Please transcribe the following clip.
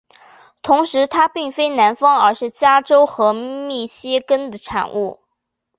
同时它并非南方而是加州和密歇根的产物。